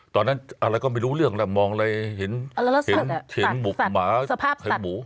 ตอนนั้นอะไรก็ไม่รู้เรื่องแล้วมองเลยเห็นหมูหมาสภาพเห็นหมู